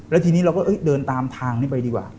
แล้วทีนี้เราก็เดินตามทางนี้ไปดีกว่า